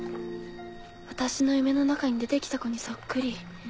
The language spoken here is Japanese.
私の夢の中に出て来た子にそっくり。